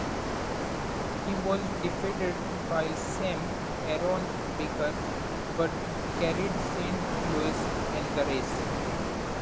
He was defeated by Sam Aaron Baker, but carried Saint Louis in the race.